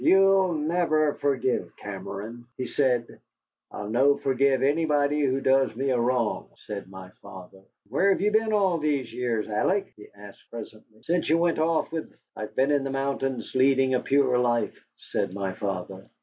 "You'll never forgive Cameron," he said. "I'll no forgive anybody who does me a wrong," said my father. "And where have you been all these years, Alec?" he asked presently. "Since you went off with " "I've been in the mountains, leading a pure life," said my father.